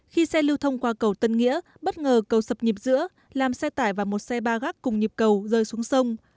khi xe lưu thông qua cầu tân nghĩa bất ngờ cầu sập nhịp giữa làm xe tải và một xe ba gác cùng nhịp cầu rơi xuống sông